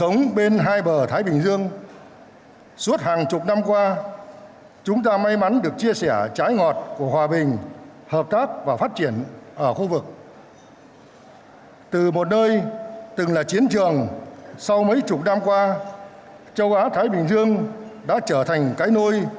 nên trường sau mấy chục năm qua châu á thái bình dương đã trở thành cái nôi